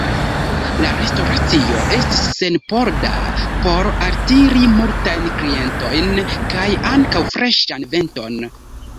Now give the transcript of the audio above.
La restoracio estis senporda, por altiri multajn klientojn kaj ankaŭ freŝan venton.